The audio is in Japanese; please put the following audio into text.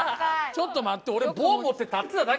ちょっと待って俺。